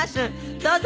どうぞ。